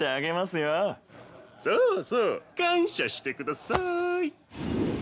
そうそう感謝してください。